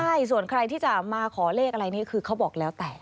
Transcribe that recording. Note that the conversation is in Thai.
ใช่ส่วนใครที่จะมาขอเลขอะไรนี่คือเขาบอกแล้วแต่